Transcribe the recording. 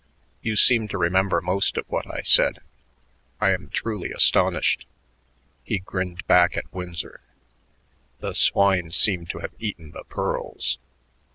You seem to remember most of what I said. I am truly astonished." He grinned back at Winsor. "The swine seem to have eaten the pearls."